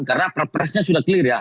karena perpresnya sudah clear ya